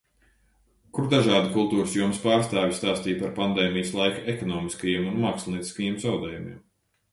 Kur dažādi kultūras jomas pārstāvji stāstīja par Pandēmijas laika ekonomiskajiem un mākslinieciskajiem zaudējumiem.